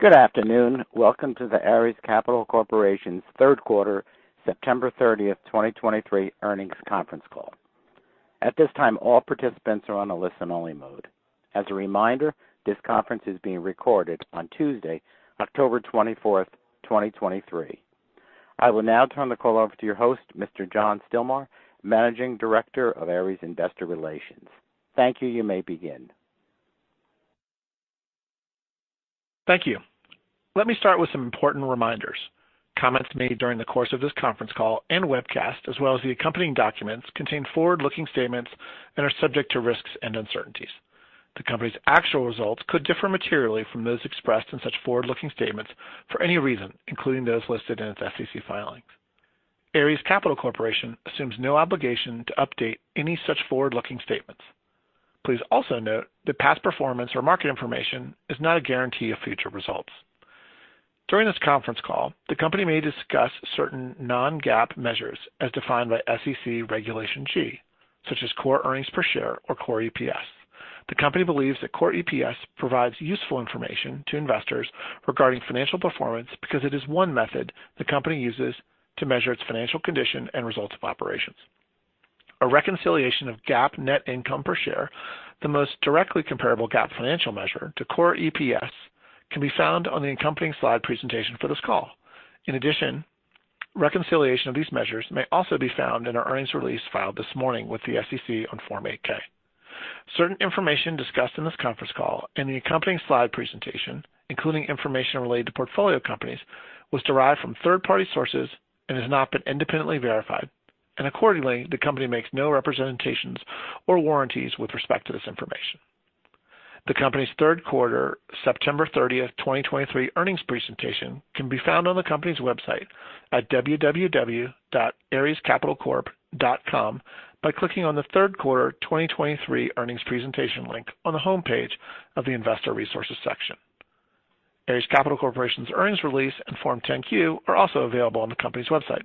Good afternoon. Welcome to the Ares Capital Corporation's third quarter, September 30th, 2023 earnings conference call. At this time, all participants are on a listen-only mode. As a reminder, this conference is being recorded on Tuesday, October 24th, 2023. I will now turn the call over to your host, Mr. John Stilmar, Managing Director of Ares Investor Relations. Thank you. You may begin. Thank you. Let me start with some important reminders. Comments made during the course of this conference call and webcast, as well as the accompanying documents, contain forward-looking statements and are subject to risks and uncertainties. The Company's actual results could differ materially from those expressed in such forward-looking statements for any reason, including those listed in its SEC filings. Ares Capital Corporation assumes no obligation to update any such forward-looking statements. Please also note that past performance or market information is not a guarantee of future results. During this conference call, the Company may discuss certain non-GAAP measures as defined by SEC Regulation G, such as core earnings per share or core EPS. The Company believes that core EPS provides useful information to investors regarding financial performance because it is one method the Company uses to measure its financial condition and results of operations. A reconciliation of GAAP net income per share, the most directly comparable GAAP financial measure to Core EPS, can be found on the accompanying slide presentation for this call. In addition, reconciliation of these measures may also be found in our earnings release filed this morning with the SEC on Form 8-K. Certain information discussed in this conference call and the accompanying slide presentation, including information related to portfolio companies, was derived from third-party sources and has not been independently verified, and accordingly, the Company makes no representations or warranties with respect to this information. The Company's third quarter, September 30th, 2023 earnings presentation can be found on the company's website at www.arescapitalcorp.com by clicking on the third quarter 2023 earnings presentation link on the homepage of the Investor Resources section. Ares Capital Corporation's earnings release and Form 10-Q are also available on the company's website.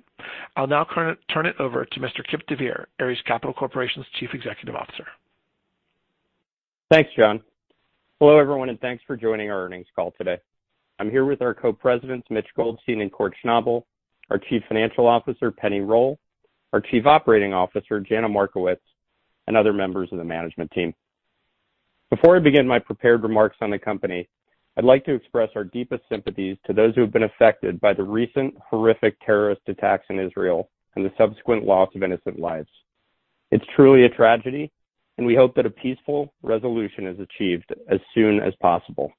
I'll now turn it over to Mr. Kipp deVeer, Ares Capital Corporation's Chief Executive Officer. Thanks, John. Hello, everyone, and thanks for joining our earnings call today. I'm here with our Co-Presidents, Mitch Goldstein and Kort Schnabel, our Chief Financial Officer, Penni Roll, our Chief Operating Officer, Jana Markowicz, and other members of the management team. Before I begin my prepared remarks on the company, I'd like to express our deepest sympathies to those who have been affected by the recent horrific terrorist attacks in Israel and the subsequent loss of innocent lives. It's truly a tragedy, and we hope that a peaceful resolution is achieved as soon as possible.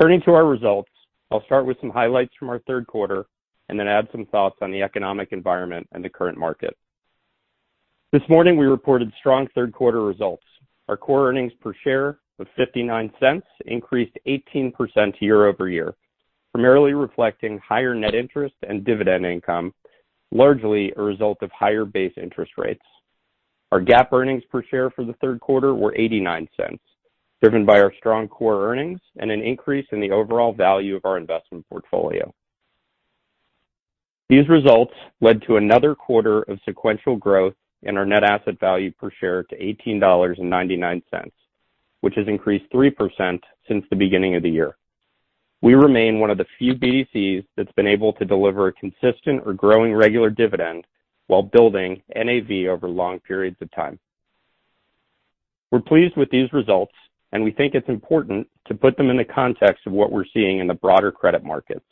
Turning to our results, I'll start with some highlights from our third quarter and then add some thoughts on the economic environment and the current market. This morning, we reported strong third quarter results. Our core earnings per share of $0.59 increased 18% year-over-year, primarily reflecting higher net interest and dividend income, largely a result of higher base interest rates. Our GAAP earnings per share for the third quarter were $0.89, driven by our strong core earnings and an increase in the overall value of our investment portfolio. These results led to another quarter of sequential growth in our net asset value per share to $18.99, which has increased 3% since the beginning of the year. We remain one of the few BDCs that's been able to deliver a consistent or growing regular dividend while building NAV over long periods of time. We're pleased with these results, and we think it's important to put them in the context of what we're seeing in the broader credit markets.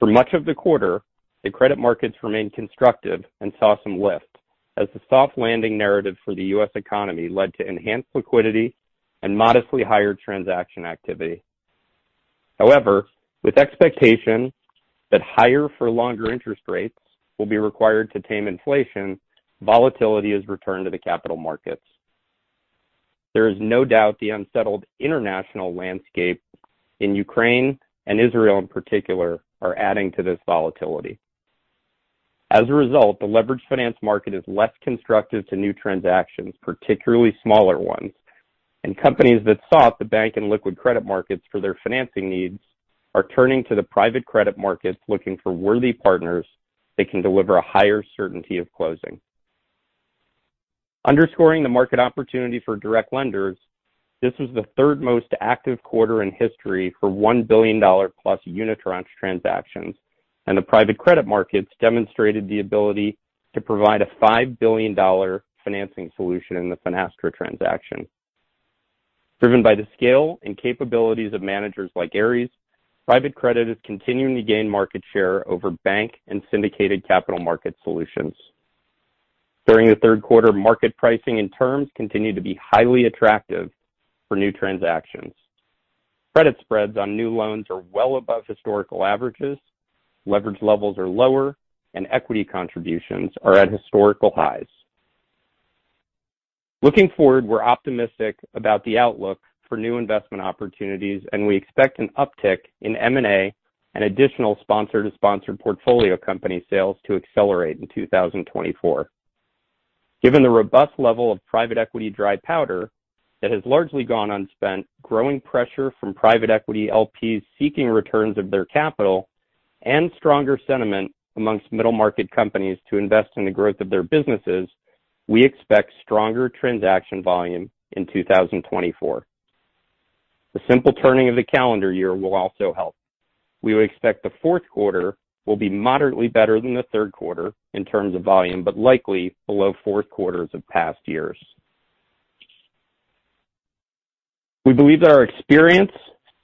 For much of the quarter, the credit markets remained constructive and saw some lift as the soft landing narrative for the U.S. economy led to enhanced liquidity and modestly higher transaction activity. However, with expectation that higher for longer interest rates will be required to tame inflation, volatility has returned to the capital markets. There is no doubt the unsettled international landscape in Ukraine and Israel, in particular, are adding to this volatility. As a result, the leveraged finance market is less constructive to new transactions, particularly smaller ones, and companies that sought the bank and liquid credit markets for their financing needs are turning to the private credit markets, looking for worthy partners that can deliver a higher certainty of closing. Underscoring the market opportunity for direct lenders, this was the third most active quarter in history for $1 billion-plus unitranche transactions, and the private credit markets demonstrated the ability to provide a $5 billion financing solution in the Finastra transaction. Driven by the scale and capabilities of managers like Ares, private credit is continuing to gain market share over bank and syndicated capital market solutions. During the third quarter, market pricing and terms continued to be highly attractive for new transactions. Credit spreads on new loans are well above historical averages, leverage levels are lower, and equity contributions are at historical highs. Looking forward, we're optimistic about the outlook for new investment opportunities, and we expect an uptick in M&A and additional sponsor to sponsored portfolio company sales to accelerate in 2024. Given the robust level of private equity dry powder that has largely gone unspent, growing pressure from private equity LPs seeking returns of their capital, and stronger sentiment among middle-market companies to invest in the growth of their businesses, we expect stronger transaction volume in 2024. The simple turning of the calendar year will also help. We would expect the fourth quarter will be moderately better than the third quarter in terms of volume, but likely below fourth quarters of past years. We believe that our experience,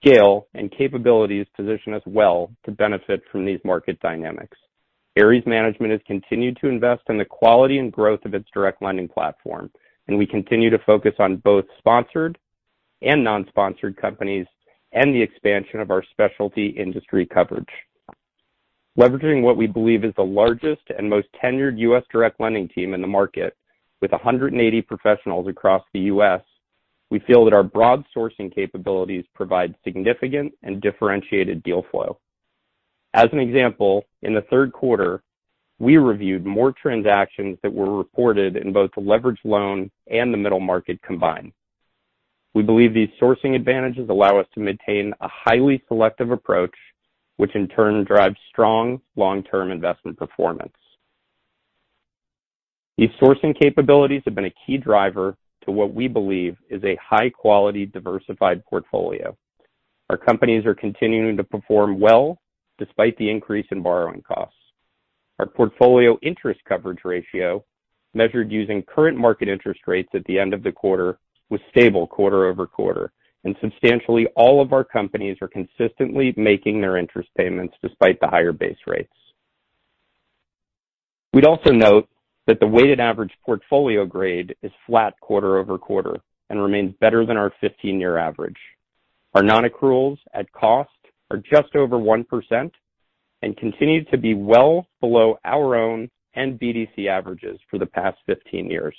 scale, and capabilities position us well to benefit from these market dynamics. Ares management has continued to invest in the quality and growth of its direct lending platform, and we continue to focus on both sponsored and non-sponsored companies, and the expansion of our specialty industry coverage. Leveraging what we believe is the largest and most tenured U.S. direct lending team in the market, with 180 professionals across the U.S., we feel that our broad sourcing capabilities provide significant and differentiated deal flow. As an example, in the third quarter, we reviewed more transactions that were reported in both the leveraged loan and the middle market combined. We believe these sourcing advantages allow us to maintain a highly selective approach, which in turn drives strong long-term investment performance. These sourcing capabilities have been a key driver to what we believe is a high-quality, diversified portfolio. Our companies are continuing to perform well despite the increase in borrowing costs. Our portfolio interest coverage ratio, measured using current market interest rates at the end of the quarter, was stable quarter-over-quarter, and substantially all of our companies are consistently making their interest payments despite the higher base rates. We'd also note that the weighted average portfolio grade is flat quarter-over-quarter and remains better than our 15-year average. Our non-accruals at cost are just over 1% and continue to be well below our own and BDC averages for the past 15 years.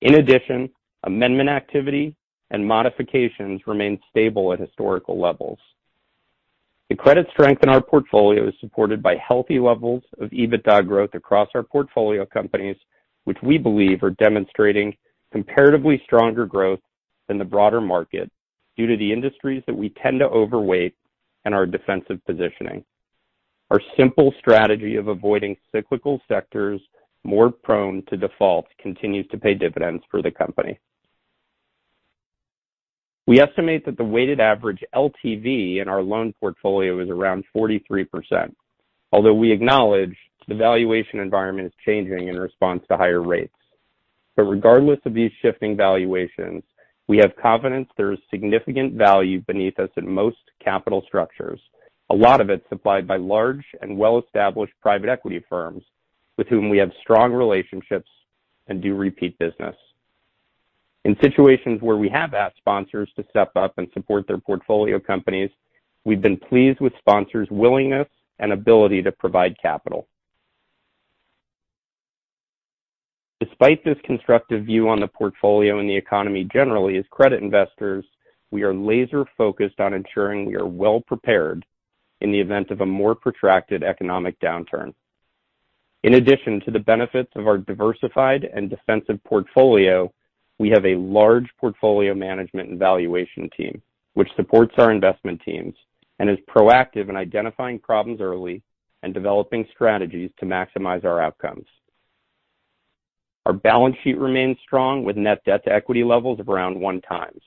In addition, amendment activity and modifications remain stable at historical levels. The credit strength in our portfolio is supported by healthy levels of EBITDA growth across our portfolio companies, which we believe are demonstrating comparatively stronger growth than the broader market due to the industries that we tend to overweight and our defensive positioning. Our simple strategy of avoiding cyclical sectors more prone to defaults continues to pay dividends for the company. We estimate that the weighted average LTV in our loan portfolio is around 43%, although we acknowledge the valuation environment is changing in response to higher rates. But regardless of these shifting valuations, we have confidence there is significant value beneath us in most capital structures, a lot of it supplied by large and well-established private equity firms with whom we have strong relationships and do repeat business. In situations where we have asked sponsors to step up and support their portfolio companies, we've been pleased with sponsors' willingness and ability to provide capital. Despite this constructive view on the portfolio and the economy generally, as credit investors, we are laser-focused on ensuring we are well-prepared in the event of a more protracted economic downturn. In addition to the benefits of our diversified and defensive portfolio, we have a large portfolio management and valuation team, which supports our investment teams and is proactive in identifying problems early and developing strategies to maximize our outcomes. Our balance sheet remains strong, with net debt-to-equity levels of around 1x.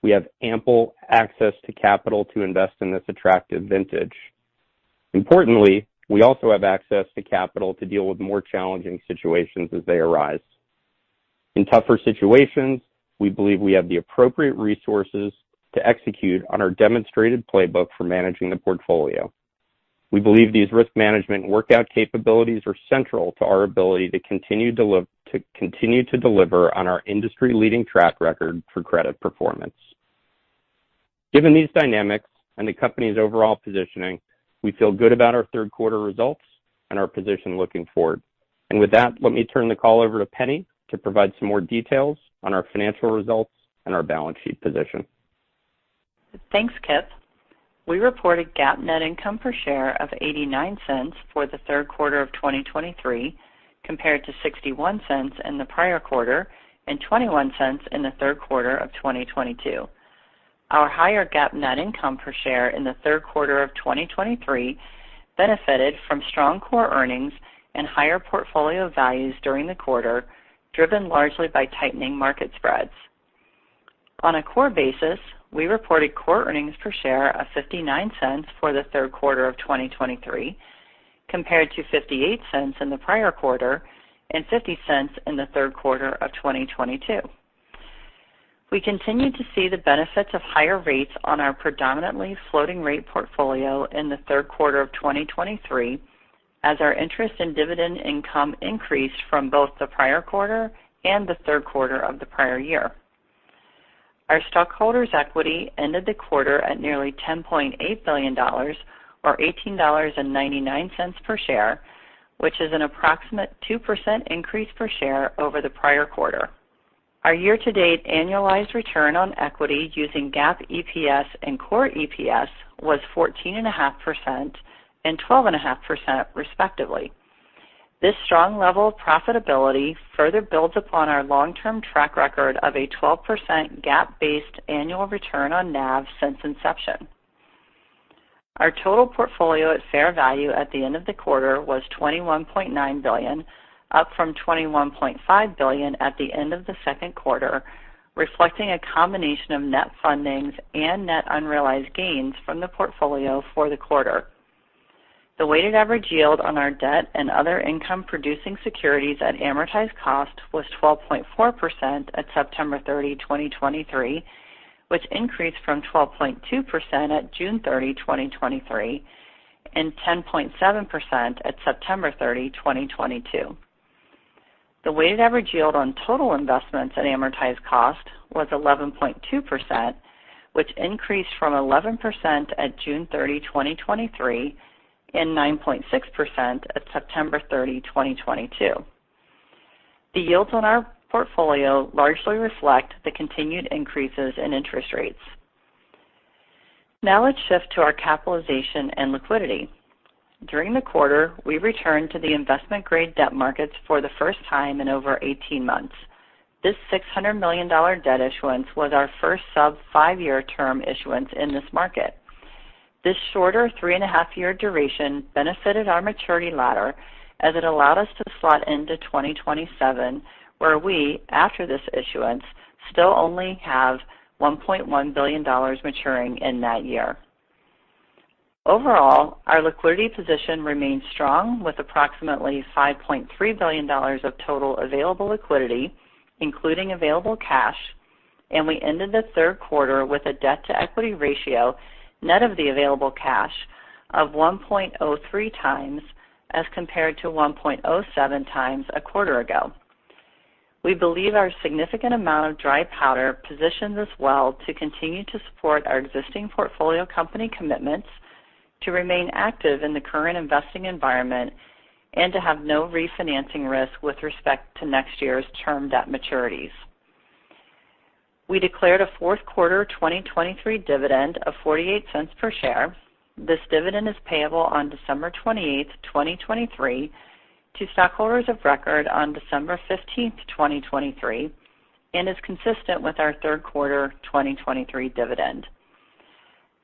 We have ample access to capital to invest in this attractive vintage. Importantly, we also have access to capital to deal with more challenging situations as they arise. In tougher situations, we believe we have the appropriate resources to execute on our demonstrated playbook for managing the portfolio. We believe these risk management workout capabilities are central to our ability to continue to deliver on our industry-leading track record for credit performance. Given these dynamics and the company's overall positioning, we feel good about our third quarter results and our position looking forward. With that, let me turn the call over to Penni to provide some more details on our financial results and our balance sheet position. Thanks, Kipp. We reported GAAP net income per share of $0.89 for the third quarter of 2023, compared to $0.61 in the prior quarter and $0.21 in the third quarter of 2022. Our higher GAAP net income per share in the third quarter of 2023 benefited from strong core earnings and higher portfolio values during the quarter, driven largely by tightening market spreads. On a core basis, we reported core earnings per share of $0.59 for the third quarter of 2023, compared to $0.58 in the prior quarter and $0.50 in the third quarter of 2022. We continued to see the benefits of higher rates on our predominantly floating rate portfolio in the third quarter of 2023, as our interest and dividend income increased from both the prior quarter and the third quarter of the prior year. Our stockholders' equity ended the quarter at nearly $10.8 billion, or $18.99 per share, which is an approximate 2% increase per share over the prior quarter. Our year-to-date annualized return on equity using GAAP EPS and core EPS was 14.5% and 12.5%, respectively. This strong level of profitability further builds upon our long-term track record of a 12% GAAP-based annual return on NAV since inception. Our total portfolio at fair value at the end of the quarter was $21.9 billion, up from $21.5 billion at the end of the second quarter, reflecting a combination of net fundings and net unrealized gains from the portfolio for the quarter. The weighted average yield on our debt and other income-producing securities at amortized cost was 12.4% at September 30, 2023, which increased from 12.2% at June 30, 2023, and 10.7% at September 30, 2022. The weighted average yield on total investments at amortized cost was 11.2%, which increased from 11% at June 30, 2023, and 9.6% at September 30, 2022. The yields on our portfolio largely reflect the continued increases in interest rates. Now let's shift to our capitalization and liquidity. During the quarter, we returned to the investment-grade debt markets for the first time in over 18 months. This $600 million debt issuance was our first sub five-year term issuance in this market. This shorter 3.5-year duration benefited our maturity ladder as it allowed us to slot into 2027, where we, after this issuance, still only have $1.1 billion maturing in that year. Overall, our liquidity position remains strong, with approximately $5.3 billion of total available liquidity, including available cash, and we ended the third quarter with a debt-to-equity ratio net of the available cash of 1.03x, as compared to 1.07x a quarter ago. We believe our significant amount of dry powder positions us well to continue to support our existing portfolio company commitments, to remain active in the current investing environment, and to have no refinancing risk with respect to next year's term debt maturities. We declared a fourth quarter 2023 dividend of $0.48 per share. This dividend is payable on December 28th, 2023, to stockholders of record on December 15th, 2023, and is consistent with our third quarter 2023 dividend.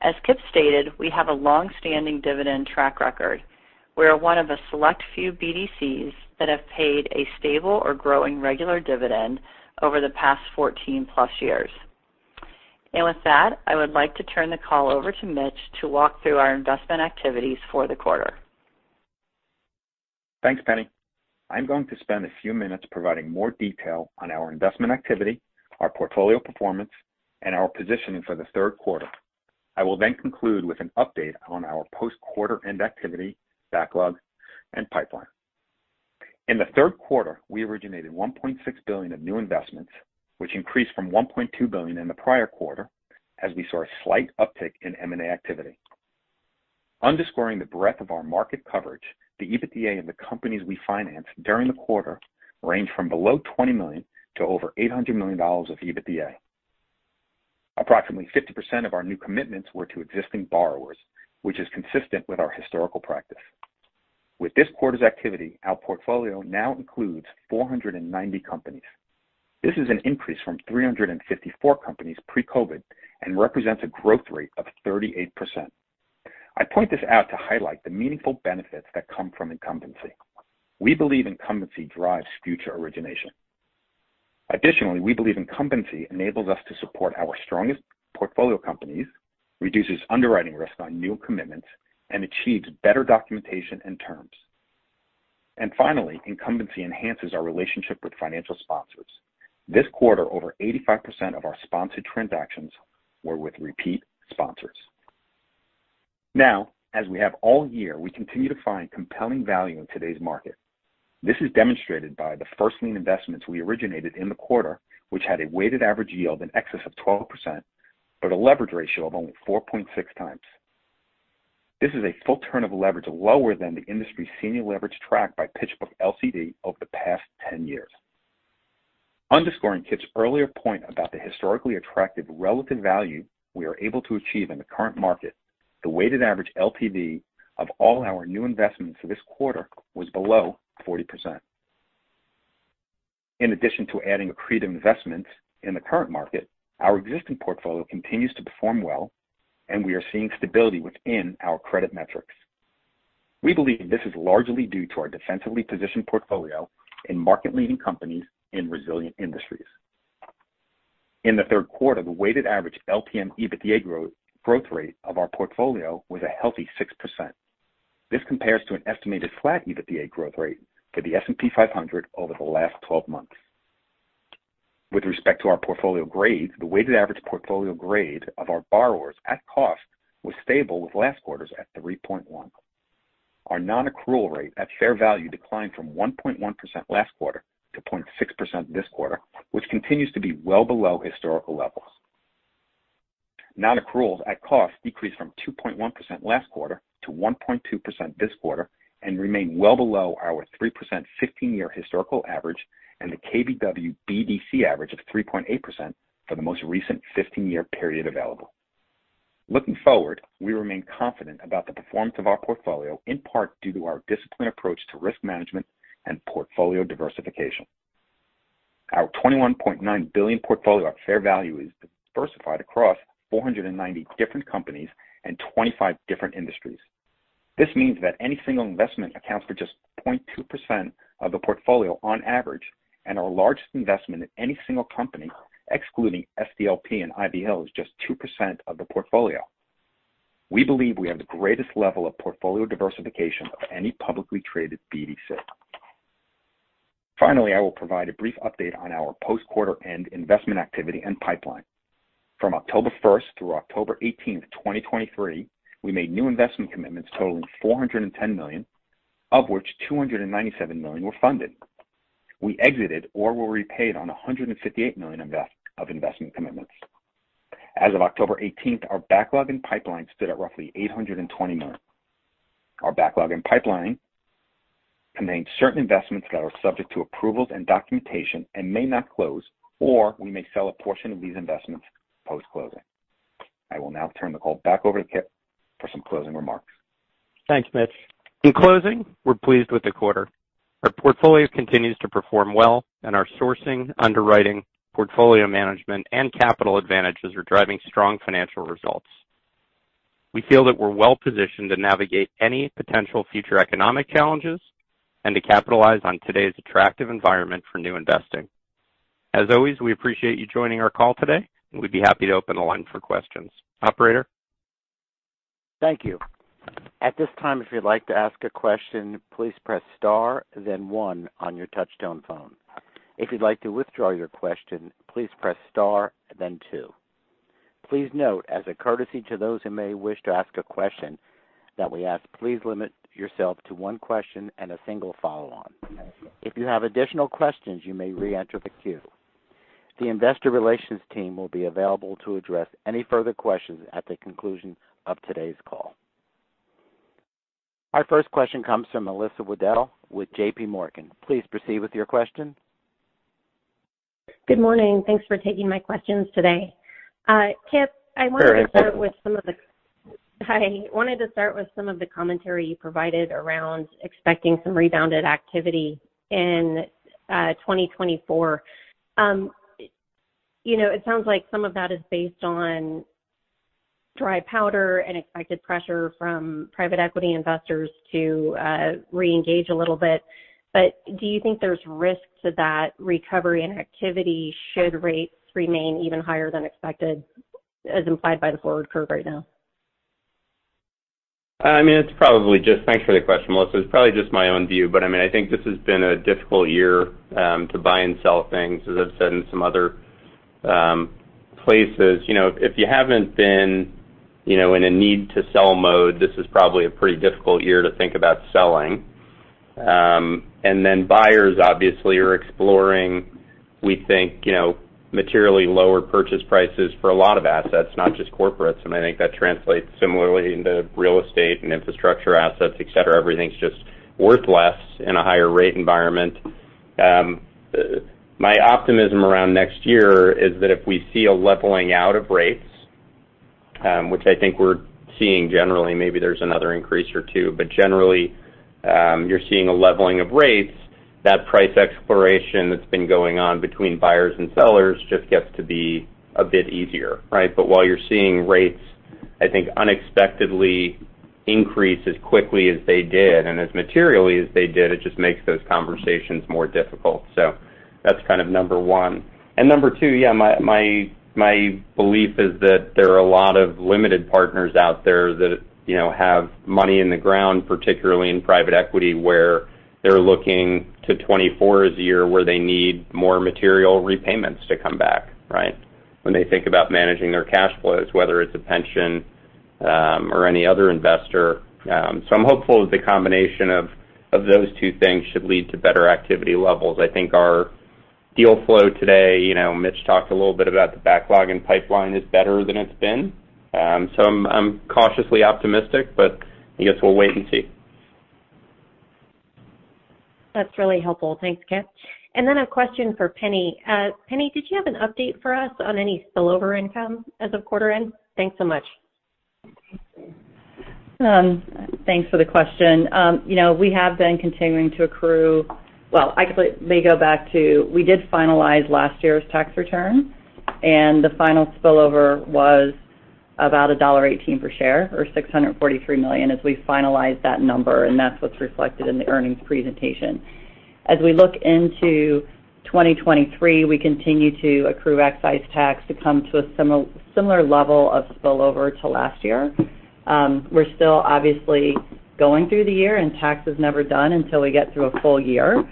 As Kipp stated, we have a long-standing dividend track record. We are one of a select few BDCs that have paid a stable or growing regular dividend over the past 14+ years. With that, I would like to turn the call over to Mitch to walk through our investment activities for the quarter. Thanks, Penni. I'm going to spend a few minutes providing more detail on our investment activity, our portfolio performance, and our positioning for the third quarter. I will then conclude with an update on our post-quarter end activity, backlog, and pipeline. In the third quarter, we originated $1.6 billion of new investments, which increased from $1.2 billion in the prior quarter, as we saw a slight uptick in M&A activity. Underscoring the breadth of our market coverage, the EBITDA of the companies we financed during the quarter ranged from below $20 million to over $800 million of EBITDA. Approximately 50% of our new commitments were to existing borrowers, which is consistent with our historical practice. With this quarter's activity, our portfolio now includes 490 companies. This is an increase from 354 companies pre-COVID and represents a growth rate of 38%. I point this out to highlight the meaningful benefits that come from incumbency. We believe incumbency drives future origination. Additionally, we believe incumbency enables us to support our strongest portfolio companies, reduces underwriting risk on new commitments, and achieves better documentation and terms. And finally, incumbency enhances our relationship with financial sponsors. This quarter, over 85% of our sponsored transactions were with repeat sponsors. Now, as we have all year, we continue to find compelling value in today's market. This is demonstrated by the first lien investments we originated in the quarter, which had a weighted average yield in excess of 12%, but a leverage ratio of only 4.6x. This is a full turn of leverage lower than the industry's senior leverage track by PitchBook LCD over the past 10 years. Underscoring Kipp's earlier point about the historically attractive relative value we are able to achieve in the current market, the weighted average LTV of all our new investments for this quarter was below 40%. In addition to adding accretive investments in the current market, our existing portfolio continues to perform well, and we are seeing stability within our credit metrics. We believe this is largely due to our defensively positioned portfolio in market-leading companies in resilient industries. In the third quarter, the weighted average LTM EBITDA growth, growth rate of our portfolio was a healthy 6%. This compares to an estimated flat EBITDA growth rate for the S&P 500 over the last 12 months. With respect to our portfolio grade, the weighted average portfolio grade of our borrowers at cost was stable with last quarter's at 3.1%. Our non-accrual rate at fair value declined from 1.1% last quarter to 0.6% this quarter, which continues to be well below historical levels. Non-accruals at cost decreased from 2.1% last quarter to 1.2% this quarter and remain well below our 3% 15-year historical average and the KBW BDC average of 3.8% for the most recent 15-year period available. Looking forward, we remain confident about the performance of our portfolio, in part due to our disciplined approach to risk management and portfolio diversification. Our $21.9 billion portfolio at fair value is diversified across 490 different companies and 25 different industries. This means that any single investment accounts for just 0.2% of the portfolio on average, and our largest investment in any single company, excluding SDLP and Ivy Hill, is just 2% of the portfolio. We believe we have the greatest level of portfolio diversification of any publicly traded BDC. Finally, I will provide a brief update on our post-quarter end investment activity and pipeline. From October 1st through October 18th, 2023, we made new investment commitments totaling $410 million, of which $297 million were funded. We exited or were repaid on $158 million of that, of investment commitments. As of October 18th, our backlog and pipeline stood at roughly $820 million. Our backlog and pipeline contain certain investments that are subject to approvals and documentation and may not close, or we may sell a portion of these investments post-closing. I will now turn the call back over to Kipp for some closing remarks. Thanks, Mitch. In closing, we're pleased with the quarter. Our portfolio continues to perform well, and our sourcing, underwriting, portfolio management, and capital advantages are driving strong financial results. We feel that we're well-positioned to navigate any potential future economic challenges and to capitalize on today's attractive environment for new investing. As always, we appreciate you joining our call today, and we'd be happy to open the line for questions. Operator? Thank you. At this time, if you'd like to ask a question, please press star, then one on your touchtone phone. If you'd like to withdraw your question, please press star, then two. Please note, as a courtesy to those who may wish to ask a question, that we ask, please limit yourself to one question and a single follow-on. If you have additional questions, you may reenter the queue. The investor relations team will be available to address any further questions at the conclusion of today's call. Our first question comes from Melissa Wedel with JPMorgan. Please proceed with your question. Good morning. Thanks for taking my questions today. Kipp, I wanted to start with some of the commentary you provided around expecting some rebounded activity in 2024. You know, it sounds like some of that is based on dry powder and expected pressure from private equity investors to reengage a little bit. But do you think there's risk to that recovery and activity should rates remain even higher than expected, as implied by the forward curve right now? I mean, it's probably just. Thanks for the question, Melissa. It's probably just my own view, but I mean, I think this has been a difficult year to buy and sell things, as I've said in some other places. You know, if you haven't been, you know, in a need-to-sell mode, this is probably a pretty difficult year to think about selling. And then buyers obviously are exploring, we think, you know, materially lower purchase prices for a lot of assets, not just corporates, and I think that translates similarly into real estate and infrastructure assets, et cetera. Everything's just worth less in a higher rate environment. My optimism around next year is that if we see a leveling out of rates, which I think we're seeing generally, maybe there's another increase or two, but generally, you're seeing a leveling of rates, that price exploration that's been going on between buyers and sellers just gets to be a bit easier, right? But while you're seeing rates, I think, unexpectedly increase as quickly as they did and as materially as they did, it just makes those conversations more difficult. So that's kind of number one. And number two, yeah, my, my, my belief is that there are a lot of limited partners out there that, you know, have money in the ground, particularly in private equity, where they're looking to 2024 as a year where they need more material repayments to come back, right? When they think about managing their cash flows, whether it's a pension, or any other investor. So I'm hopeful that the combination of those two things should lead to better activity levels. I think our deal flow today, you know, Mitch talked a little bit about the backlog and pipeline is better than it's been. So I'm cautiously optimistic, but I guess we'll wait and see. That's really helpful. Thanks, Kipp. And then a question for Penni. Penni, did you have an update for us on any spillover income as of quarter end? Thanks so much. Thanks for the question. You know, we have been continuing to accrue. Well, actually, let me go back to, we did finalize last year's tax return, and the final spillover was about $1.18 per share, or $643 million, as we finalized that number, and that's what's reflected in the earnings presentation. As we look into 2023, we continue to accrue excise tax to come to a similar level of spillover to last year. We're still obviously going through the year, and tax is never done until we get through a full year,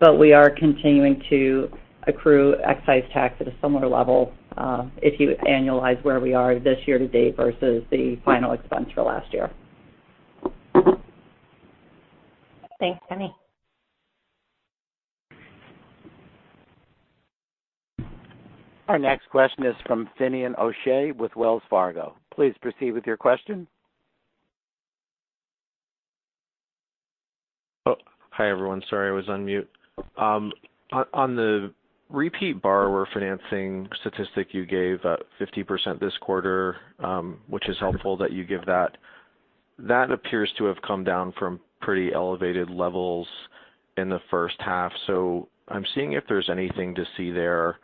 but we are continuing to accrue excise tax at a similar level, if you annualize where we are this year to date versus the final expense for last year. Thanks, Penni. Our next question is from Finian O'Shea with Wells Fargo. Please proceed with your question. Hi, everyone. Sorry, I was on mute. On the repeat borrower financing statistic you gave, 50% this quarter, which is helpful that you give that. That appears to have come down from pretty elevated levels in the first half. So I'm seeing if there's anything to see there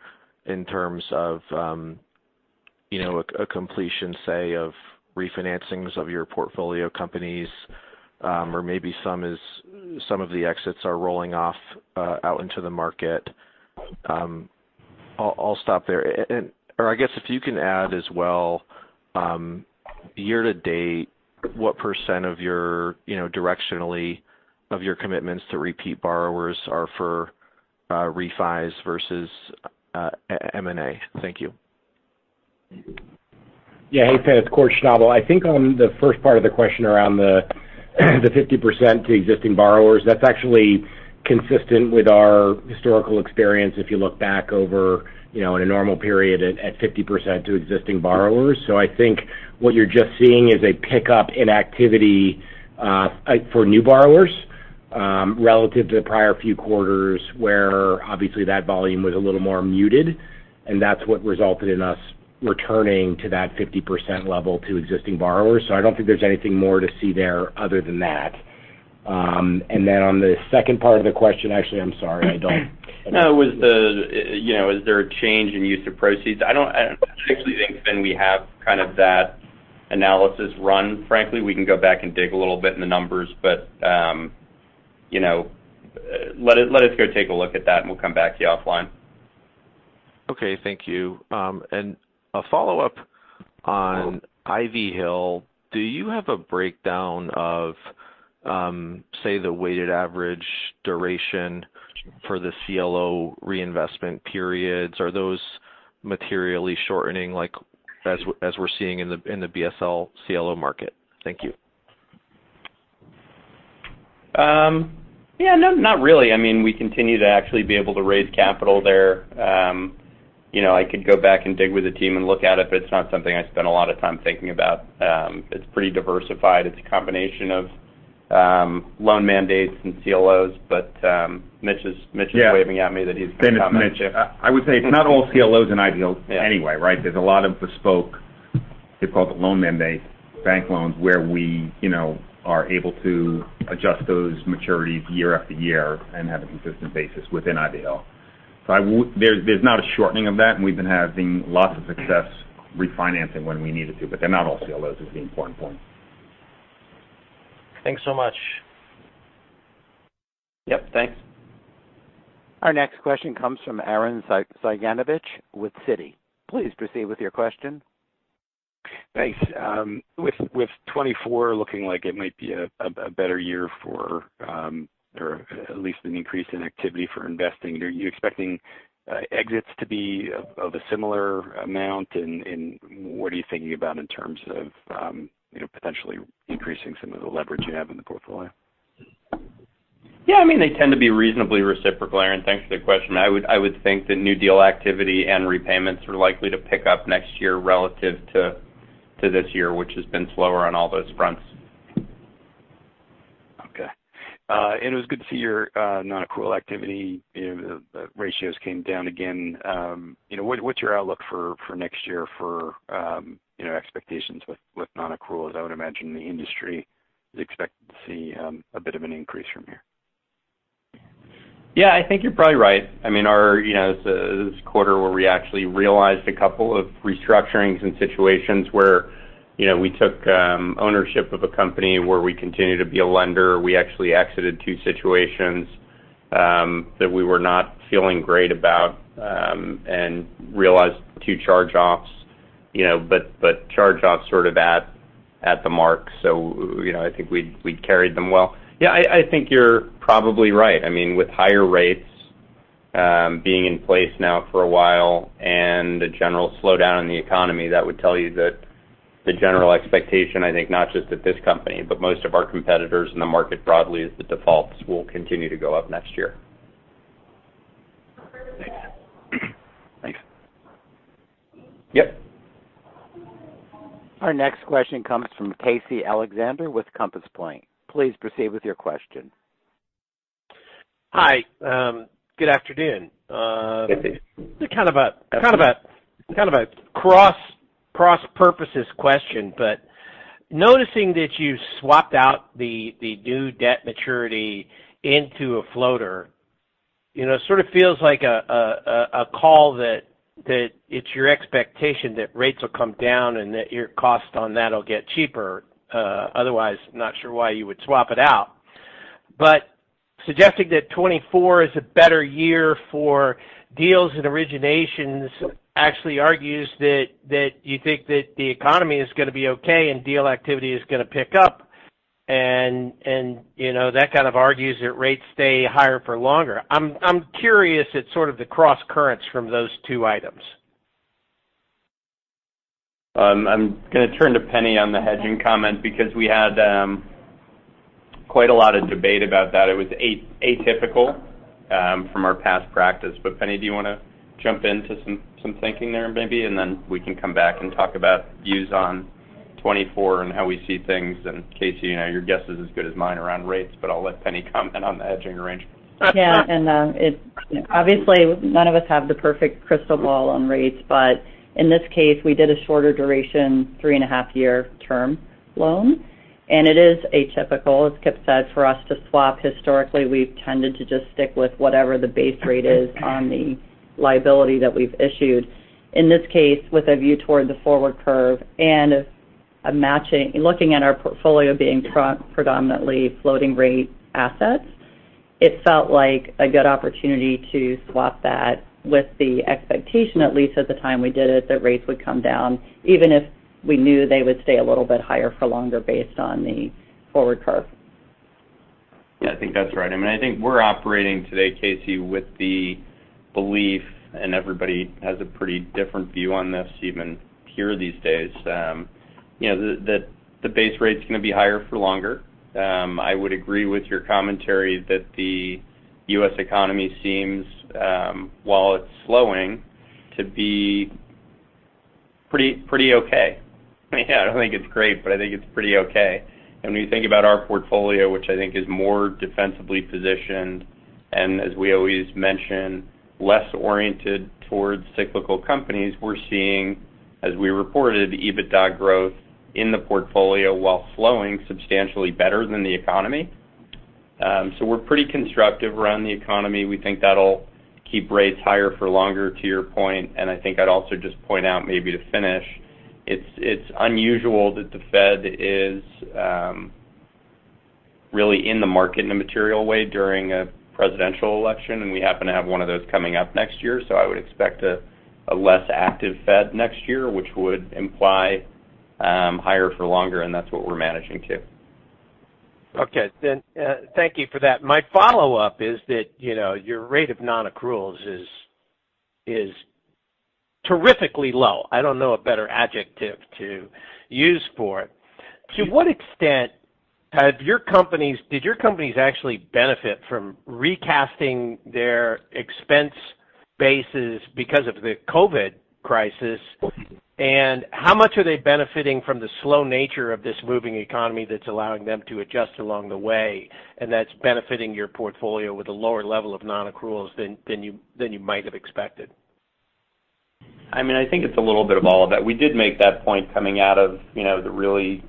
in terms of, you know, a completion, say, of re-financings of your portfolio companies, or maybe some of the exits are rolling off out into the market. I'll stop there. And or I guess if you can add as well, year to date, what percent of your, you know, directionally, of your commitments to repeat borrowers are for re-fis versus M&A? Thank you. Yeah. Hey, Fin, it's Kort Schnabel. I think on the first part of the question around the 50% to existing borrowers, that's actually consistent with our historical experience if you look back over, you know, in a normal period at 50% to existing borrowers. So I think what you're just seeing is a pickup in activity for new borrowers relative to the prior few quarters, where obviously that volume was a little more muted, and that's what resulted in us returning to that 50% level to existing borrowers. So I don't think there's anything more to see there other than that. And then on the second part of the question, actually, I'm sorry, I don't- No, it was the, you know, is there a change in use of proceeds? I don't actually think, Fin, we have kind of that analysis run, frankly. We can go back and dig a little bit in the numbers, but, you know, let us go take a look at that, and we'll come back to you offline. Okay. Thank you. A follow-up on Ivy Hill. Do you have a breakdown of, say, the weighted average duration for the CLO reinvestment periods? Are those materially shortening, like, as we're seeing in the BSL CLO market? Thank you. Yeah, no, not really. I mean, we continue to actually be able to raise capital there. You know, I could go back and dig with the team and look at it, but it's not something I spend a lot of time thinking about. It's pretty diversified. It's a combination of loan mandates and CLOs, but Mitch is- Yeah. Mitch is waving at me that he's gonna comment. Fin, it's Mitch. I would say it's not all CLOs and Ivy Hill anyway, right? There's a lot of bespoke, they're called loan mandate bank loans, where we, you know, are able to adjust those maturities year after year and have a consistent basis within Ivy Hill. So I would, there's not a shortening of that, and we've been having lots of success refinancing when we needed to, but they're not all CLOs is the important point. Thanks so much. Yep, thanks. Our next question comes from Arren Cyganovich with Citi. Please proceed with your question. Thanks. With 2024 looking like it might be a better year for, or at least an increase in activity for investing, are you expecting exits to be of a similar amount? And what are you thinking about in terms of, you know, potentially increasing some of the leverage you have in the portfolio? Yeah, I mean, they tend to be reasonably reciprocal, Arren. Thanks for the question. I would, I would think that new deal activity and repayments are likely to pick up next year relative to, to this year, which has been slower on all those fronts. Okay. And it was good to see your non-accrual activity, you know, the ratios came down again. You know, what's your outlook for next year for, you know, expectations with non-accrual, as I would imagine the industry is expected to see a bit of an increase from here? Yeah, I think you're probably right. I mean, our, you know, this quarter where we actually realized a couple of restructurings and situations where, you know, we took ownership of a company, where we continued to be a lender. We actually exited two situations that we were not feeling great about and realized two charge-offs, you know. But charge-offs sort of at the mark. So, you know, I think we'd carried them well. Yeah, I think you're probably right. I mean, with higher rates being in place now for a while and a general slowdown in the economy, that would tell you that the general expectation, I think, not just at this company, but most of our competitors in the market broadly, is the defaults will continue to go up next year. Thanks. Thanks. Yep. Our next question comes from Casey Alexander with Compass Point. Please proceed with your question. Hi, good afternoon. Good afternoon. Kind of a cross-purposes question, but noticing that you've swapped out the due debt maturity into a floater, you know, sort of feels like a call that it's your expectation that rates will come down and that your cost on that will get cheaper, otherwise, not sure why you would swap it out. But suggesting that 2024 is a better year for deals and originations actually argues that you think that the economy is gonna be okay and deal activity is gonna pick up. And you know, that kind of argues that rates stay higher for longer. I'm curious at sort of the crosscurrents from those two items. I'm gonna turn to Penni on the hedging comment because we had quite a lot of debate about that. It was atypical from our past practice. But, Penni, do you wanna jump into some thinking there, maybe? And then we can come back and talk about views on 2024 and how we see things, and Casey, you know, your guess is as good as mine around rates, but I'll let Penni comment on the hedging arrangement. Yeah, and, obviously, none of us have the perfect crystal ball on rates, but in this case, we did a shorter duration, 3.5-year term loan. And it is atypical, as Kip said, for us to swap. Historically, we've tended to just stick with whatever the base rate is on the liability that we've issued. In this case, with a view toward the forward curve and a matching—looking at our portfolio being predominantly floating rate assets, it felt like a good opportunity to swap that with the expectation, at least at the time we did it, that rates would come down, even if we knew they would stay a little bit higher for longer based on the forward curve. Yeah, I think that's right. I mean, I think we're operating today, Casey, with the belief, and everybody has a pretty different view on this, even here these days, you know, that the base rate is going to be higher for longer. I would agree with your commentary that the U.S. economy seems, while it's slowing, to be pretty, pretty okay. Yeah, I don't think it's great, but I think it's pretty okay. And when you think about our portfolio, which I think is more defensively positioned, and as we always mention, less oriented towards cyclical companies, we're seeing, as we reported, EBITDA growth in the portfolio while flowing substantially better than the economy. So we're pretty constructive around the economy. We think that'll keep rates higher for longer, to your point, and I think I'd also just point out maybe to finish. It's unusual that the Fed is really in the market in a material way during a presidential election, and we happen to have one of those coming up next year. So I would expect a less active Fed next year, which would imply higher for longer, and that's what we're managing to. Okay, then, thank you for that. My follow-up is that, you know, your rate of non-accruals is terrifically low. I don't know a better adjective to use for it. To what extent have your companies—did your companies actually benefit from recasting their expense bases because of the COVID crisis? And how much are they benefiting from the slow nature of this moving economy that's allowing them to adjust along the way, and that's benefiting your portfolio with a lower level of non-accruals than you might have expected? I mean, I think it's a little bit of all of that. We did make that point coming out of, you know, the really,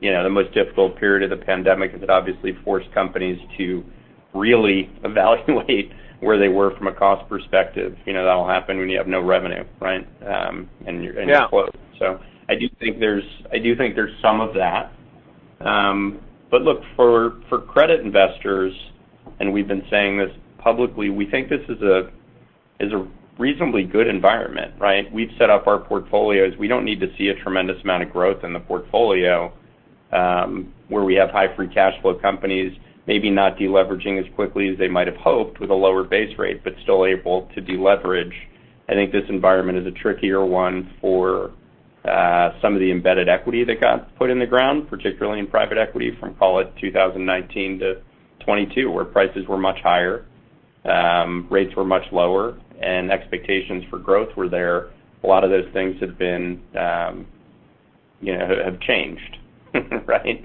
you know, the most difficult period of the pandemic, as it obviously forced companies to really evaluate where they were from a cost perspective. You know, that'll happen when you have no revenue, right? And you're- Yeah. So I do think there's, I do think there's some of that. But look, for credit investors, and we've been saying this publicly, we think this is a reasonably good environment, right? We've set up our portfolios. We don't need to see a tremendous amount of growth in the portfolio, where we have high free cash flow companies, maybe not deleveraging as quickly as they might have hoped with a lower base rate, but still able to deleverage. I think this environment is a trickier one for some of the embedded equity that got put in the ground, particularly in private equity, from, call it, 2019-2022, where prices were much higher, rates were much lower, and expectations for growth were there. A lot of those things have been, you know, have changed, right?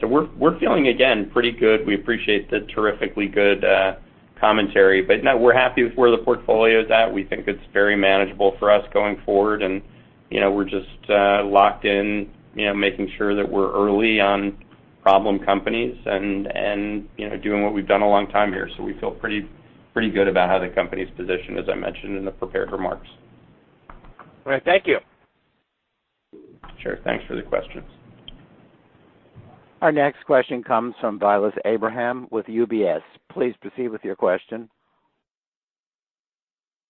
So we're feeling, again, pretty good. We appreciate the terrifically good commentary. But no, we're happy with where the portfolio is at. We think it's very manageable for us going forward, and, you know, we're just locked in, you know, making sure that we're early on problem companies and, you know, doing what we've done a long time here. So we feel pretty good about how the company's positioned, as I mentioned in the prepared remarks. All right. Thank you. Sure. Thanks for the questions. Our next question comes from Vilas Abraham with UBS. Please proceed with your question.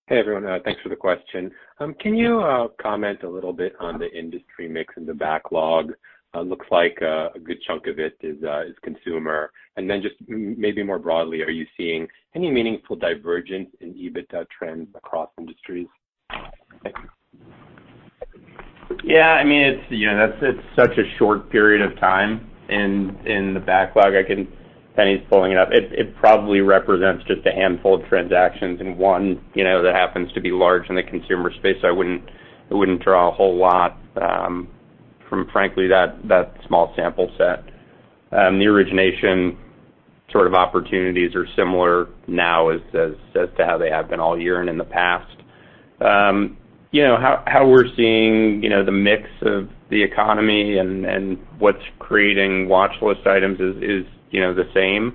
Hey, everyone. Thanks for the question. Can you comment a little bit on the industry mix and the backlog? Looks like a good chunk of it is consumer. And then just maybe more broadly, are you seeing any meaningful divergence in EBITDA trends across industries? Thank you. Yeah, I mean, it's, you know, that's- it's such a short period of time in, in the backlog. I can-- Penni's pulling it up. It, it probably represents just a handful of transactions and one, you know, that happens to be large in the consumer space. I wouldn't, I wouldn't draw a whole lot, from frankly, that, that small sample set. The origination sort of opportunities are similar now as, as, as to how they have been all year and in the past. You know, how, how we're seeing, you know, the mix of the economy and, and what's creating watchlist items is, is, you know, the same.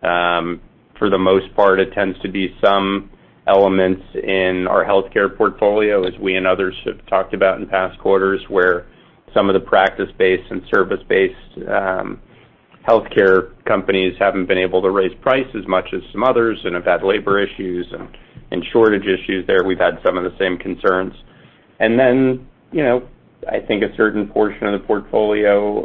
For the most part, it tends to be some elements in our healthcare portfolio, as we and others have talked about in past quarters, where some of the practice-based and service-based healthcare companies haven't been able to raise prices as much as some others and have had labor issues and, and shortage issues there. We've had some of the same concerns. And then, you know, I think a certain portion of the portfolio,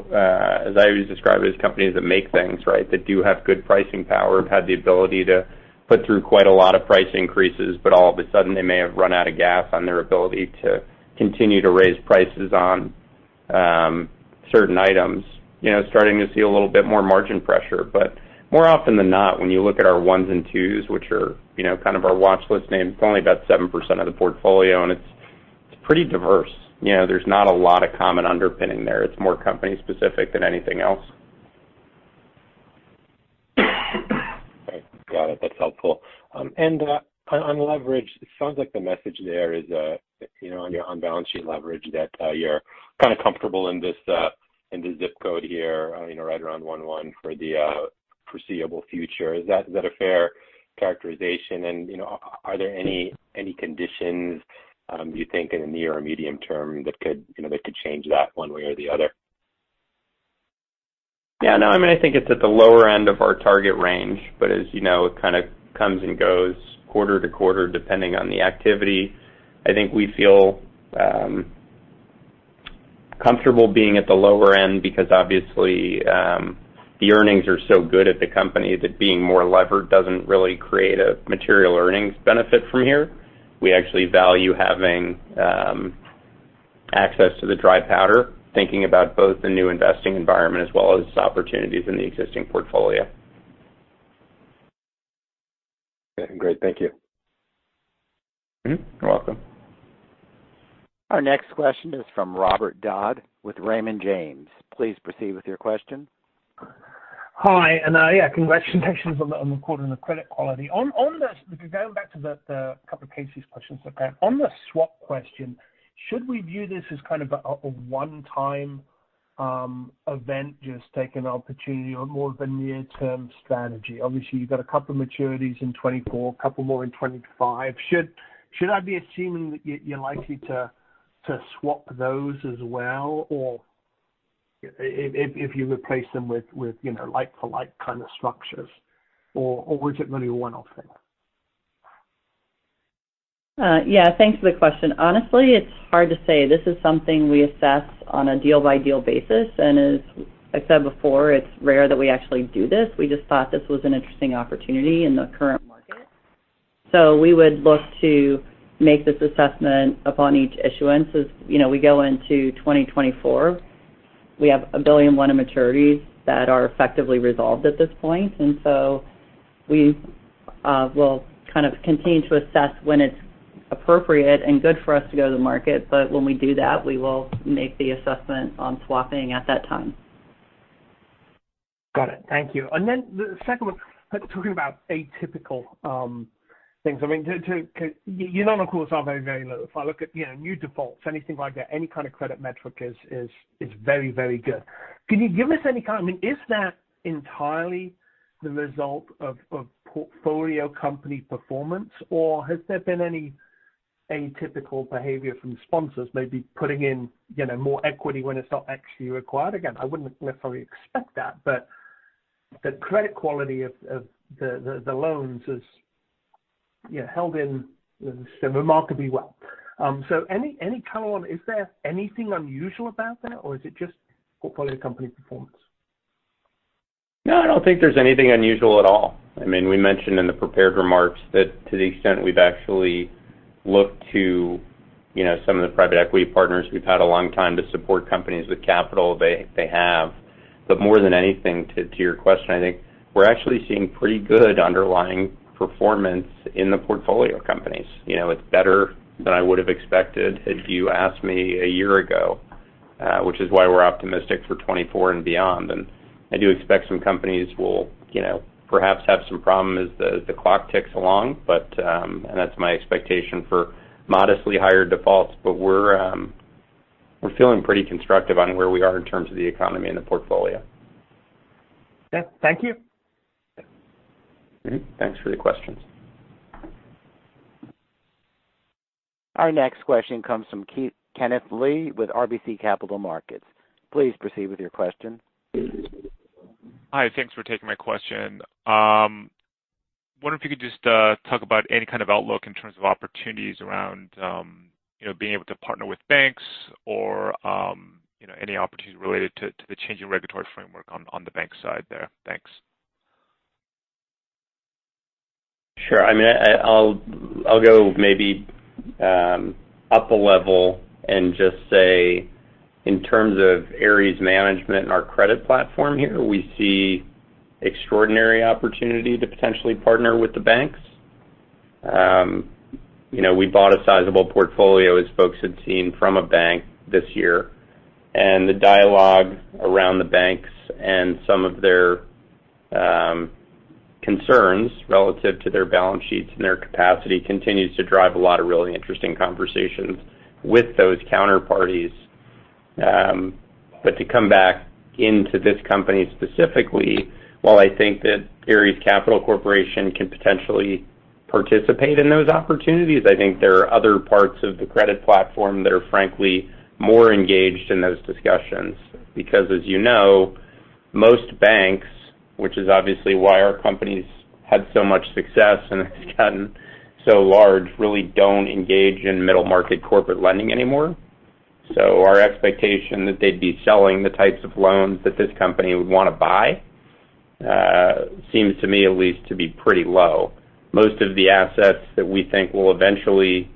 as I always describe it, as companies that make things right, that do have good pricing power, have had the ability to put through quite a lot of price increases, but all of a sudden they may have run out of gas on their ability to continue to raise prices on certain items, you know, starting to see a little bit more margin pressure. More often than not, when you look at our ones and twos, which are, you know, kind of our watch list names, it's only about 7% of the portfolio, and it's, it's pretty diverse. You know, there's not a lot of common underpinning there. It's more company specific than anything else. Great. Got it. That's helpful. And, on leverage, it sounds like the message there is, you know, on your on-balance sheet leverage, that you're kind of comfortable in this zip code here, you know, right around 1:1 for the foreseeable future. Is that? Is that a fair characterization? And, you know, are there any conditions you think in the near or medium term that could, you know, that could change that one way or the other? Yeah, no, I mean, I think it's at the lower end of our target range, but as you know, it kind of comes and goes quarter to quarter, depending on the activity. I think we feel comfortable being at the lower end because, obviously, the earnings are so good at the company that being more levered doesn't really create a material earnings benefit from here. We actually value having access to the dry powder, thinking about both the new investing environment as well as opportunities in the existing portfolio. Okay, great. Thank you. Mm-hmm. You're welcome. Our next question is from Robert Dodd with Raymond James. Please proceed with your question. Hi, and, yeah, congratulations on the quarter and the credit quality. Going back to the couple of Casey's questions, okay. On the swap question, should we view this as kind of a one-time event, just taking an opportunity or more of a near-term strategy? Obviously, you've got a couple maturities in 2024, a couple more in 2025. Should I be assuming that you're likely to swap those as well, or if you replace them with, you know, like for like kind of structures, or was it really a one-off thing? Yeah, thanks for the question. Honestly, it's hard to say. This is something we assess on a deal-by-deal basis, and as I said before, it's rare that we actually do this. We just thought this was an interesting opportunity in the current market. So we would look to make this assessment upon each issuance. As you know, we go into 2024, we have $1.1 billion in maturities that are effectively resolved at this point, and so we will kind of continue to assess when it's appropriate and good for us to go to the market. But when we do that, we will make the assessment on swapping at that time. Got it. Thank you. And then the second one, talking about atypical things. I mean, to your non-accruals are very, very low. If I look at, you know, new defaults, anything like that, any kind of credit metric is very, very good. Can you give us any kind... I mean, is that entirely the result of portfolio company performance, or has there been any atypical behavior from sponsors, maybe putting in, you know, more equity when it's not actually required? Again, I wouldn't necessarily expect that, but the credit quality of the loans is, you know, held in remarkably well. So any color on, is there anything unusual about that, or is it just portfolio company performance? No, I don't think there's anything unusual at all. I mean, we mentioned in the prepared remarks that to the extent we've actually looked to, you know, some of the private equity partners, we've had a long time to support companies with capital, they, they have. But more than anything, to your question, I think we're actually seeing pretty good underlying performance in the portfolio companies. You know, it's better than I would have expected if you asked me a year ago, which is why we're optimistic for 2024 and beyond. And I do expect some companies will, you know, perhaps have some problem as the clock ticks along. But, and that's my expectation for modestly higher defaults, but we're, we're feeling pretty constructive on where we are in terms of the economy and the portfolio. Yeah. Thank you. Yeah. Mm-hmm, thanks for the questions. Our next question comes from Kenneth Lee with RBC Capital Markets. Please proceed with your question. Hi, thanks for taking my question. Wonder if you could just talk about any kind of outlook in terms of opportunities around, you know, being able to partner with banks or, you know, any opportunities related to, to the changing regulatory framework on, on the bank side there. Thanks. Sure. I mean, I'll go maybe up a level and just say, in terms of Ares Management and our credit platform here, we see extraordinary opportunity to potentially partner with the banks. You know, we bought a sizable portfolio, as folks had seen, from a bank this year, and the dialogue around the banks and some of their concerns relative to their balance sheets and their capacity continues to drive a lot of really interesting conversations with those counterparties. But to come back into this company specifically, while I think that Ares Capital Corporation can potentially participate in those opportunities, I think there are other parts of the credit platform that are frankly more engaged in those discussions. Because, as you know, most banks, which is obviously why our company's had so much success and has gotten so large, really don't engage in middle-market corporate lending anymore. So our expectation that they'd be selling the types of loans that this company would want to buy, seems to me at least, to be pretty low. Most of the assets that we think will eventually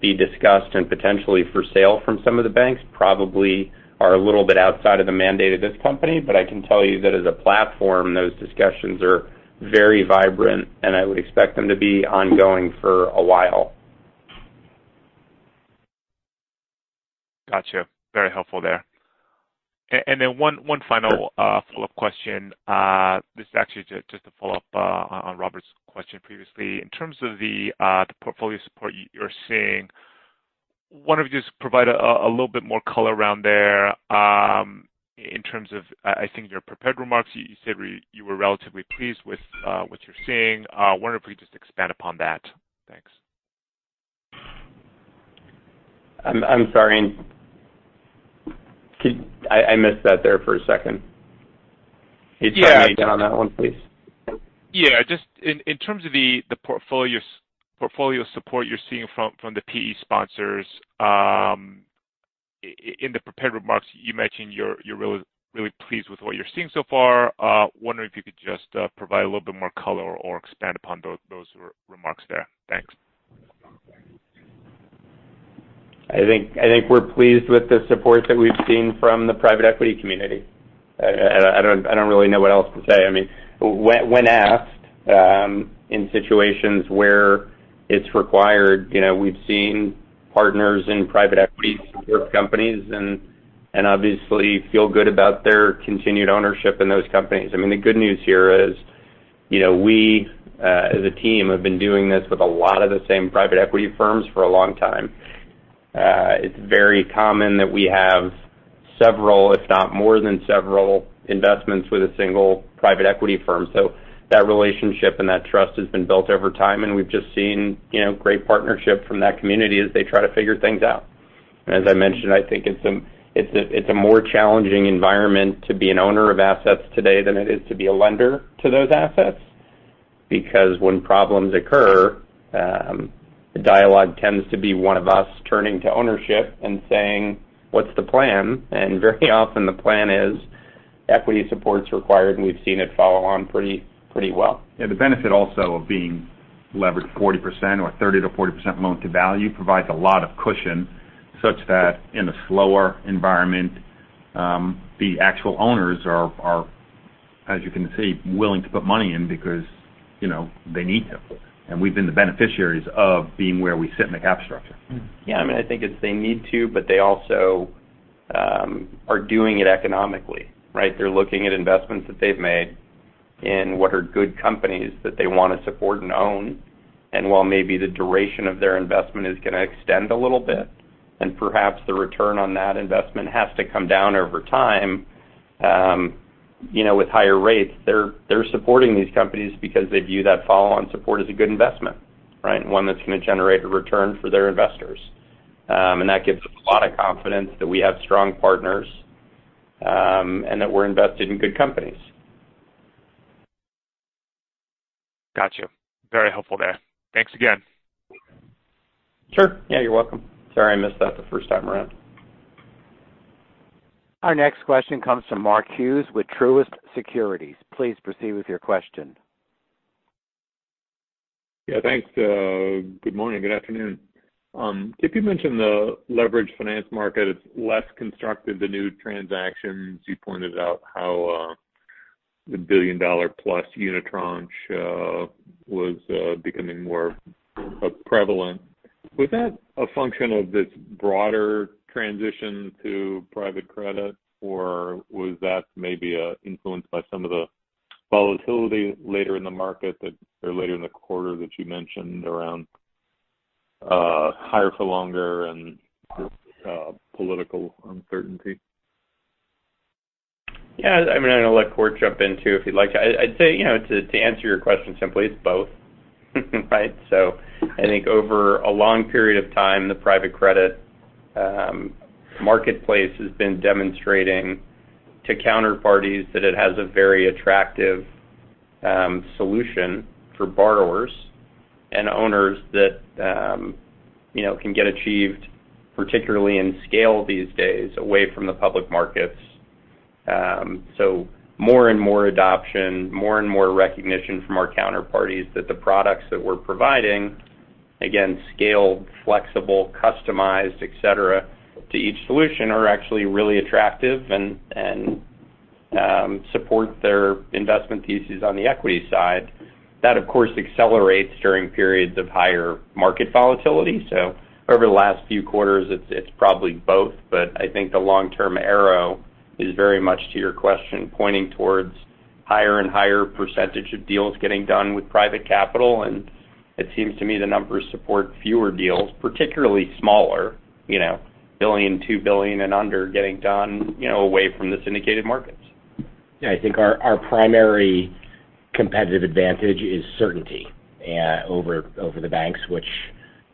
be discussed and potentially for sale from some of the banks, probably are a little bit outside of the mandate of this company. But I can tell you that as a platform, those discussions are very vibrant, and I would expect them to be ongoing for a while. Gotcha. Very helpful there. And then one final- Sure. Follow-up question. This is actually just a follow-up on Robert's question previously. In terms of the portfolio support you're seeing, wonder if you just provide a little bit more color around there, in terms of, I think your prepared remarks, you said you were relatively pleased with what you're seeing. Wonder if you could just expand upon that. Thanks. I'm sorry. Could—I missed that there for a second. Yeah. Can you try again on that one, please? Yeah, just in terms of the portfolio support you're seeing from the PE sponsors. In the prepared remarks, you mentioned you're really pleased with what you're seeing so far. Wondering if you could just provide a little bit more color or expand upon those remarks there. Thanks. I think we're pleased with the support that we've seen from the private equity community. I don't really know what else to say. I mean, when asked, in situations where it's required, you know, we've seen partners in private equity support companies and obviously feel good about their continued ownership in those companies. I mean, the good news here is, you know, we, as a team, have been doing this with a lot of the same private equity firms for a long time. It's very common that we have several, if not more than several investments with a single private equity firm. So that relationship and that trust has been built over time, and we've just seen, you know, great partnership from that community as they try to figure things out. As I mentioned, I think it's a more challenging environment to be an owner of assets today than it is to be a lender to those assets. Because when problems occur, the dialogue tends to be one of us turning to ownership and saying: What's the plan? And very often, the plan is equity support is required, and we've seen it follow on pretty, pretty well. Yeah, the benefit also of being leveraged 40% or 30%-40% loan to value provides a lot of cushion, such that in a slower environment, the actual owners are, as you can see, willing to put money in because, you know, they need to. And we've been the beneficiaries of being where we sit in the cap structure. Yeah, I mean, I think it's they need to, but they also are doing it economically, right? They're looking at investments that they've made in what are good companies that they want to support and own. And while maybe the duration of their investment is gonna extend a little bit, and perhaps the return on that investment has to come down over time, you know, with higher rates, they're supporting these companies because they view that follow-on support as a good investment, right? One that's going to generate a return for their investors. And that gives us a lot of confidence that we have strong partners, and that we're invested in good companies. Got you. Very helpful there. Thanks again. Sure. Yeah, you're welcome. Sorry, I missed that the first time around. Our next question comes from Mark Hughes with Truist Securities. Please proceed with your question. Yeah, thanks. Good morning. Good afternoon. If you mention the leveraged finance market, it's less constructive, the new transactions. You pointed out how the billion-dollar-plus unitranche was becoming more prevalent. Was that a function of this broader transition to private credit, or was that maybe influenced by some of the volatility later in the market that, or later in the quarter, that you mentioned around higher for longer and political uncertainty? Yeah, I mean, I'm gonna let Kort jump in, too, if you'd like. I'd say, you know, to answer your question simply, it's both, right? So I think over a long period of time, the private credit marketplace has been demonstrating to counterparties that it has a very attractive solution for borrowers and owners that, you know, can get achieved, particularly in scale these days, away from the public markets. So more and more adoption, more and more recognition from our counterparties that the products that we're providing, again, scaled, flexible, customized, et cetera, to each solution, are actually really attractive and support their investment thesis on the equity side. That, of course, accelerates during periods of higher market volatility. So over the last few quarters, it's, it's probably both, but I think the long-term arrow is very much, to your question, pointing towards higher and higher percentage of deals getting done with private capital. And it seems to me the numbers support fewer deals, particularly smaller, you know, $1 billion, $2 billion and under, getting done, you know, away from the syndicated markets. Yeah, I think our primary competitive advantage is certainty over the banks, which,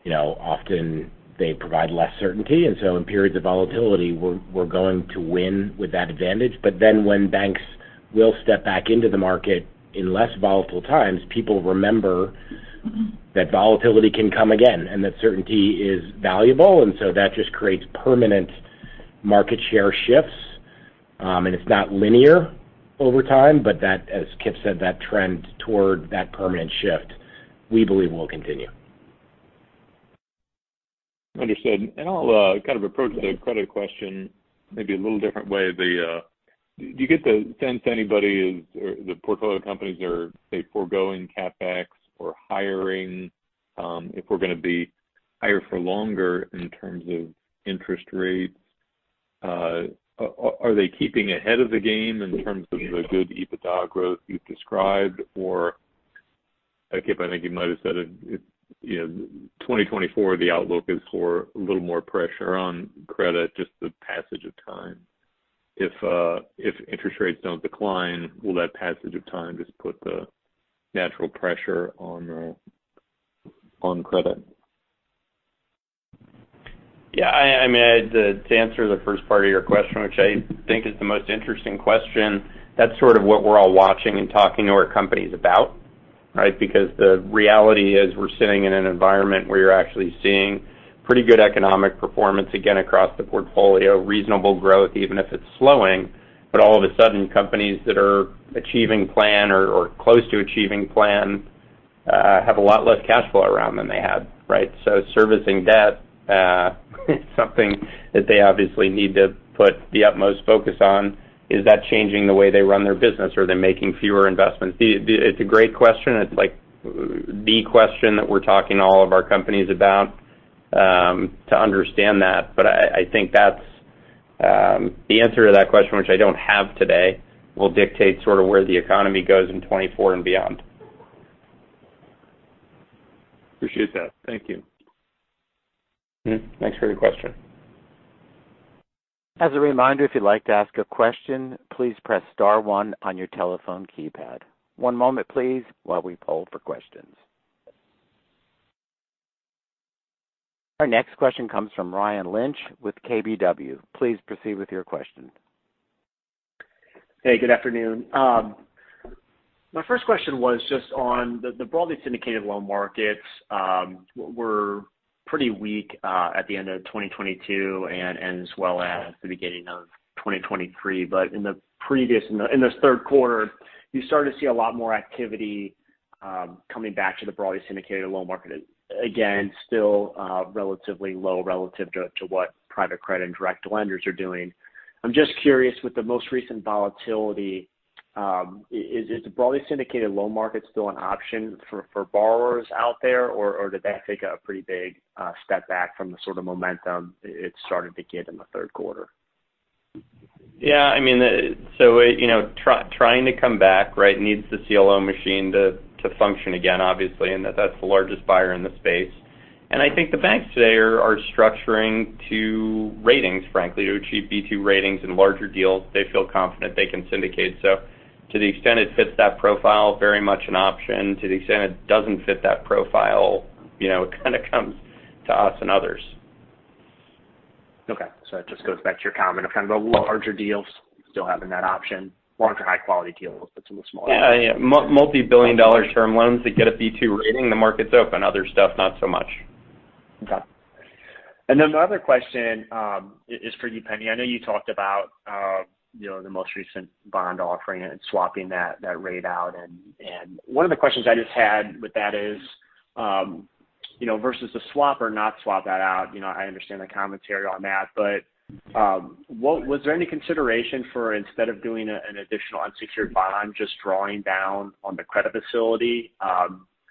you know, often they provide less certainty. And so in periods of volatility, we're going to win with that advantage. But then when banks will step back into the market in less volatile times, people remember that volatility can come again and that certainty is valuable. And so that just creates permanent market share shifts, and it's not linear over time, but that, as Kipp said, that trend toward that permanent shift, we believe will continue. Understood. I'll kind of approach the credit question maybe a little different way. Do you get the sense anybody is, or the portfolio companies are, say, foregoing CapEx or hiring, if we're gonna be higher for longer in terms of interest rates? Are they keeping ahead of the game in terms of the good EBITDA growth you've described? Or, like, Kipp, I think you might have said it, you know, 2024, the outlook is for a little more pressure on credit, just the passage of time. If interest rates don't decline, will that passage of time just put the natural pressure on credit? Yeah, I mean, to answer the first part of your question, which I think is the most interesting question, that's sort of what we're all watching and talking to our companies about, right? Because the reality is, we're sitting in an environment where you're actually seeing pretty good economic performance, again, across the portfolio, reasonable growth, even if it's slowing. But all of a sudden, companies that are achieving plan or close to achieving plan, have a lot less cash flow around than they had, right? So servicing debt, something that they obviously need to put the utmost focus on. Is that changing the way they run their business, or are they making fewer investments? It's a great question. It's like the question that we're talking to all of our companies about, to understand that. But I think that's the answer to that question, which I don't have today, will dictate sort of where the economy goes in 2024 and beyond. Appreciate that. Thank you. Mm-hmm. Thanks for your question. As a reminder, if you'd like to ask a question, please press star one on your telephone keypad. One moment, please, while we poll for questions. Our next question comes from Ryan Lynch with KBW. Please proceed with your question. Hey, good afternoon. My first question was just on the broadly syndicated loan markets, which were pretty weak at the end of 2022 and as well as the beginning of 2023. But in this third quarter, you started to see a lot more activity coming back to the broadly syndicated loan market. Again, still relatively low relative to what private credit and direct lenders are doing. I'm just curious, with the most recent volatility, is the broadly syndicated loan market still an option for borrowers out there, or did that take a pretty big step back from the sort of momentum it started to get in the third quarter? Yeah, I mean, the... So, you know, trying to come back, right, needs the CLO machine to, to function again, obviously, and that's the largest buyer in the space. And I think the banks today are structuring to ratings, frankly, to achieve B2 ratings in larger deals, they feel confident they can syndicate. So to the extent it fits that profile, very much an option. To the extent it doesn't fit that profile, you know, it kinda comes to us and others. Okay. So it just goes back to your comment of kind of the larger deals still having that option, larger, high-quality deals, but some of the smaller- Yeah, yeah. Multibillion-dollar term loans that get a B2 rating, the market's open. Other stuff, not so much. Okay. And then the other question is for you, Penni. I know you talked about, you know, the most recent bond offering and swapping that, that rate out, and, and one of the questions I just had with that is, you know, versus the swap or not swap that out, you know, I understand the commentary on that, but, what-- was there any consideration for instead of doing a, an additional unsecured bond, just drawing down on the credit facility?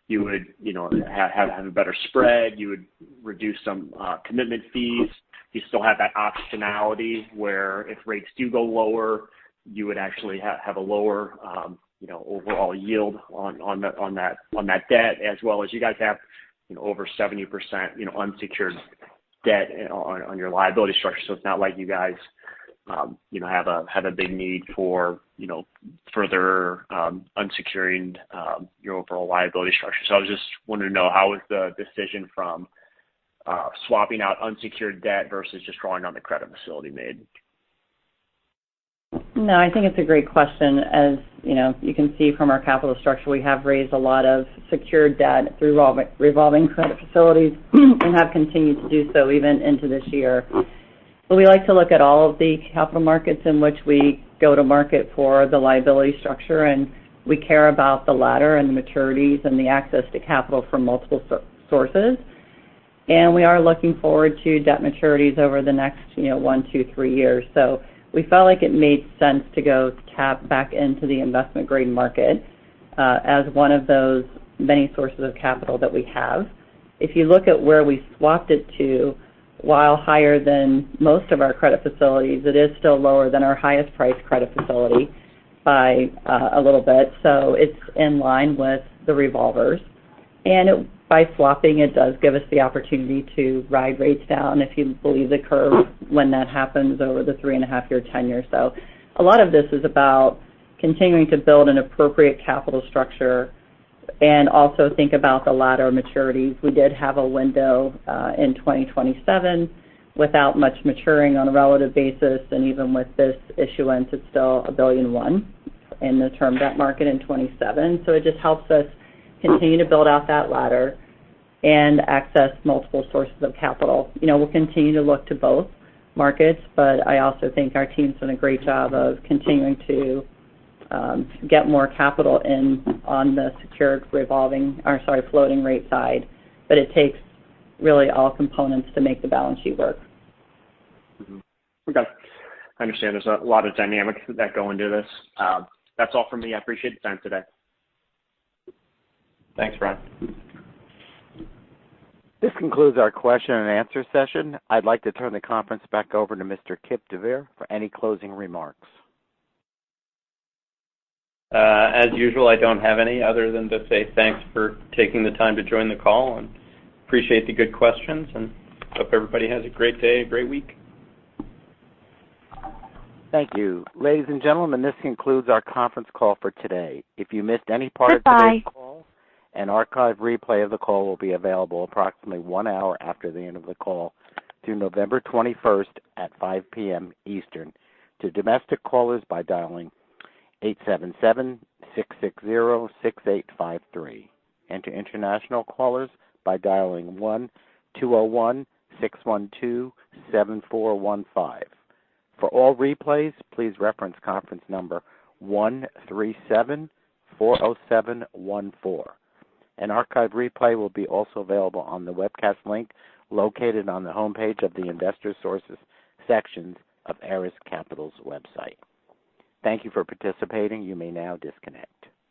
You would, you know, have, have a better spread. You would reduce some, commitment fees. You still have that optionality, where if rates do go lower, you would actually have a lower, you know, overall yield on that debt, as well as you guys have, you know, over 70%, you know, unsecured debt on your liability structure. So it's not like you guys have a big need for, you know, further unsecured, your overall liability structure. So I was just wanting to know, how was the decision from swapping out unsecured debt versus just drawing on the credit facility made? No, I think it's a great question. As you know, you can see from our capital structure, we have raised a lot of secured debt through revolving credit facilities and have continued to do so even into this year. But we like to look at all of the capital markets in which we go to market for the liability structure, and we care about the ladder and the maturities and the access to capital from multiple sources. And we are looking forward to debt maturities over the next, you know, 1, 2, 3 years. So we felt like it made sense to go tap back into the investment-grade market as one of those many sources of capital that we have. If you look at where we swapped it to, while higher than most of our credit facilities, it is still lower than our highest priced credit facility by a little bit, so it's in line with the revolvers. And, by swapping, it does give us the opportunity to ride rates down, if you believe the curve, when that happens over the three-and-a-half-year tenor. So a lot of this is about continuing to build an appropriate capital structure and also think about the ladder maturities. We did have a window in 2027 without much maturing on a relative basis, and even with this issuance, it's still $1 billion in the term debt market in 2027. So it just helps us continue to build out that ladder and access multiple sources of capital. You know, we'll continue to look to both markets, but I also think our team's done a great job of continuing to get more capital in on the secured, revolving or, sorry, floating rate side. But it takes really all components to make the balance sheet work. Mm-hmm. Okay, I understand there's a lot of dynamics that go into this. That's all for me. I appreciate the time today. Thanks, Ryan. This concludes our question and answer session. I'd like to turn the conference back over to Mr. Kipp deVeer for any closing remarks. As usual, I don't have any other than to say thanks for taking the time to join the call, and appreciate the good questions, and hope everybody has a great day and great week. Thank you. Ladies and gentlemen, this concludes our conference call for today. If you missed any part of today's call- Goodbye... an archive replay of the call will be available approximately one hour after the end of the call through November 21st at 5:00 P.M. Eastern, to domestic callers by dialing 877-660-6853, and to international callers by dialing 1-201-612-7415. For all replays, please reference conference number 13740714. An archive replay will be also available on the webcast link, located on the homepage of the Investor Resources sections of Ares Capital's website. Thank you for participating. You may now disconnect.